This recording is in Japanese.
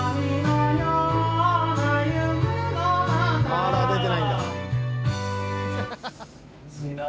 あら出てないんだ。